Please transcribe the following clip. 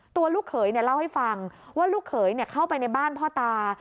ลูกเขยเล่าให้ฟังว่าลูกเขยเข้าไปในบ้านพ่อตา